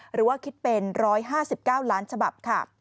หรือว่าคิดเป็น๑๕๙ล้านฉบับค่ะ